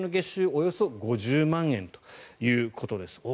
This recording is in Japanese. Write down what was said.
およそ５０万円ということです。